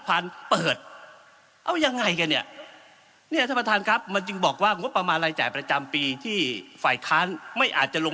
ภาคพิษดาลปี๗นักกู้แห่งรุ่มแม่น้ำเจ้าพญาตอนที่มีชื่อว่า